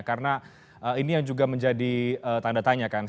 karena ini yang juga menjadi tanda tanya kan